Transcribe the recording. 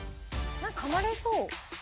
何かかまれそう。